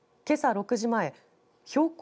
６時前標高